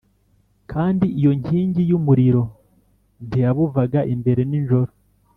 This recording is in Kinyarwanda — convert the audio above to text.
kandi iyo nkingi y’umuriro ntiyabuvaga imbere nijoro.”